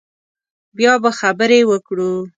بیا به خبرې وکړو